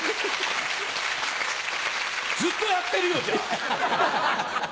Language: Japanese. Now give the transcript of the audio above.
ずっとやってるよじゃあ！